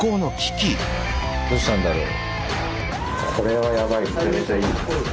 どうしたんだろう。